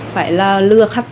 phải lừa khách